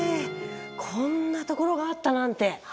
こんなところがあったなんて。